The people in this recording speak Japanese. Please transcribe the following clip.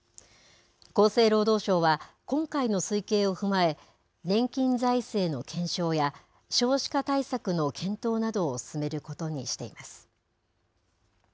厚生労働省は、今回の推計を踏まえ、年金財政の検証や、少子化対策の検討などを進めることにしています。